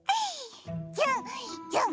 じゃんじゃん！